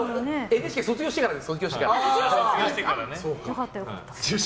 ＮＨＫ卒業してからです。